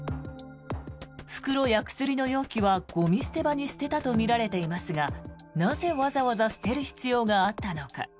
袋や薬の容器はゴミ捨て場に捨てたとみられていますがなぜ、わざわざ捨てる必要があったのか。